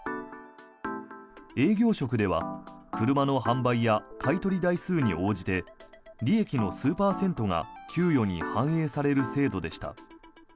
営業職では、車の販売や買い取り台数に応じて利益の数パーセントが給与に反映される制度でした。